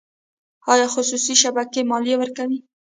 آیا خصوصي شبکې مالیه ورکوي؟